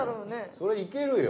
そりゃいけるよ！